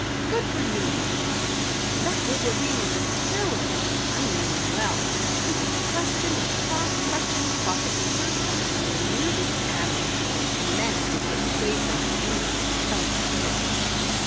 "Good for you!" he cried. "That Wolverene is a terror I know him well. He would question and cross question you about the Beavers until you were nearly addled, and then he would persuade them that you had been telling tales.